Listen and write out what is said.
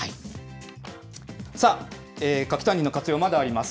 さあ、柿タンニンの活用、まだあります。